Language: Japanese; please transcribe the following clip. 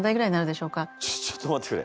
ちょちょっと待ってくれ。